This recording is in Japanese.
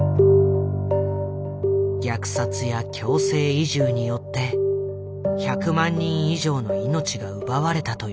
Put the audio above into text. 虐殺や強制移住によって１００万人以上の命が奪われたといわれている。